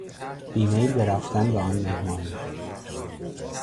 بیمیل به رفتن به آن مهمانی